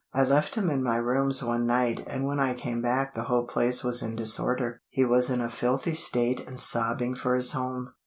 I left him in my rooms one night and when I came back the whole place was in disorder. He was in a filthy state and sobbing for his home."